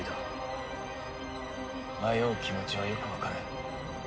迷う気持ちはよくわかる。